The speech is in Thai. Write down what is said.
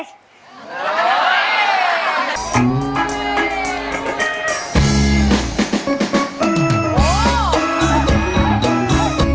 โอ้โห